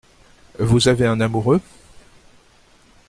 Vous avez un amoureux ?